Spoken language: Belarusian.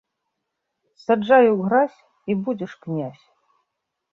Саджай у гразь і будзеш князь.